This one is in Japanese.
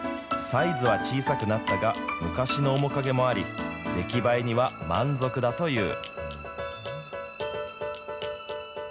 サイズは小さくなったが、昔の面影もあり、出来栄えには満足だという。